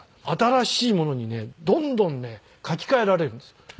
新しいものにねどんどんね書き換えられるんですよ。